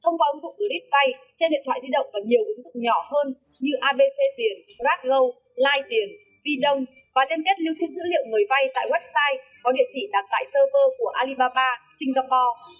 người vay tại website có địa chỉ đặt tại server của alibaba singapore